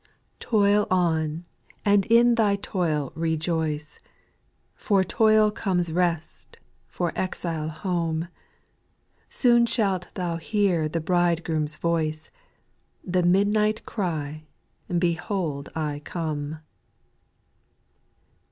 Toil on, and in thy toil rejoice ; For toil comes rest, for exile home ; Soon shalt thou hear the Bridegroom's voice^ The midnight cry, " Behold I come."